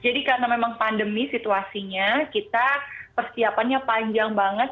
jadi karena memang pandemi situasinya kita persiapannya panjang banget